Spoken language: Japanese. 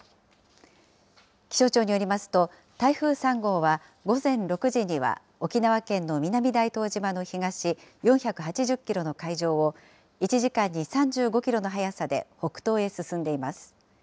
気象庁によりますと、台風３号は、午前６時には沖縄県の南大東島の東４８０キロの海上を、１時間に３５キロの速さで北東へ進んでいます。